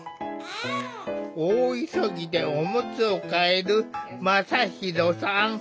大急ぎでおむつを替える真大さん。